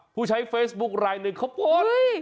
ผู้ใช้เฟซบุ๊คลายหนึ่งเขาโพสต์